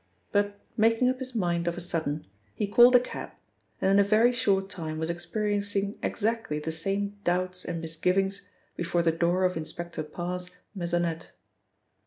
But making up his mind of a sudden, he called a cab, and in a very short time was experiencing exactly the same doubts and misgivings before the door of Inspector Parrs' maisonette.